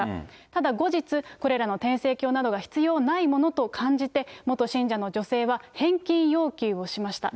ただ後日、これらの天聖経などが必要ないものと感じて、元信者の女性は返金要求をしました。